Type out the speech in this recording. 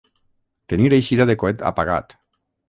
Tenir eixida de coet apagat.